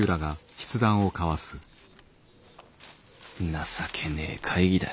「情けねぇ会議だ。